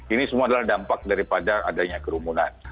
ini semua adalah dampak daripada adanya kerumunan